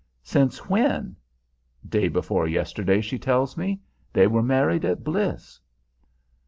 "Since when?" "Day before yesterday, she tells me. They were married at Bliss."